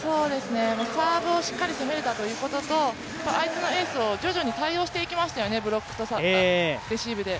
サーブをしっかり攻めれたということと相手のエースを徐々に対応していきましたよね、ブロックとレシーブで。